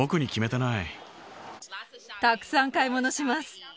たくさん買い物します。